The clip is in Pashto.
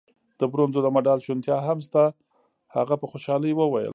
د برونزو د مډال شونتیا هم شته. هغه په خوشحالۍ وویل.